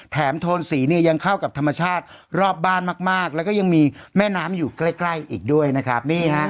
โทนสีเนี่ยยังเข้ากับธรรมชาติรอบบ้านมากแล้วก็ยังมีแม่น้ำอยู่ใกล้อีกด้วยนะครับ